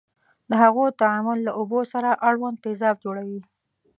د هغو تعامل له اوبو سره اړوند تیزاب جوړوي.